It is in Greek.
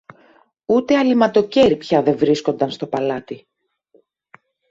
ούτε αλειμματοκέρι πια δε βρίσκουνταν στο παλάτι.